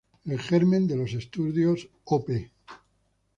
El germen de los "Estudios Op.